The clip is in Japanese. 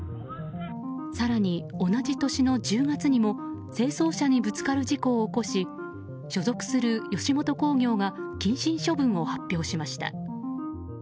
更に、同じ年の１０月にも清掃車にぶつかる事故を起こし所属する吉本興業が謹慎処分を発表しました。